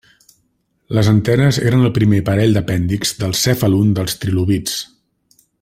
Les antenes eren el primer parell d'apèndixs del cèfalon dels trilobits.